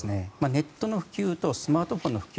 ネットの普及とスマートフォンの普及